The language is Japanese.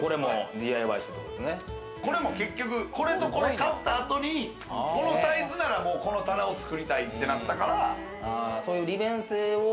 これとこれ買った後に、このサイズならこの棚を作りたいってなったから。